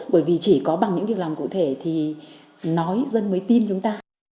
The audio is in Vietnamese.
bởi vì chỉ có bằng những việc làm cụ thể thì nói dân mới tin chúng ta